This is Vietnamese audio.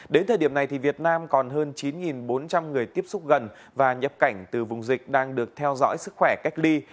đến thời điểm này việt nam còn hơn chín bốn trăm linh người tiếp xúc gần và nhập cảnh từ vùng dịch đang được theo dõi sức khỏe cách ly